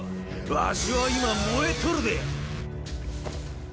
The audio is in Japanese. ワシは今燃えとるでぇ。